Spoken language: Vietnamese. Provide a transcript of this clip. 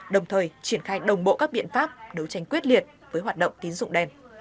đồng thời triển khai đồng bộ các biện pháp đấu tranh quyết liệt với hoạt động tín dụng đen